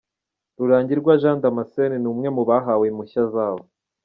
Rururangirwa Jean Damascene ni umwe mu bahawe impushya zabo.